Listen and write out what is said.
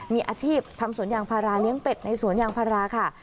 มีอาชีพทำสวนยางพาราเลี้ยงเป็ดในสวนยางพาราค่ะ